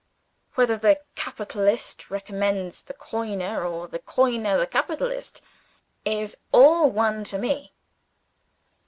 Whether the capitalist recommends the coiner, or the coiner the capitalist, is all one to me.